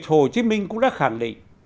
hồ chí minh cũng đã khẳng định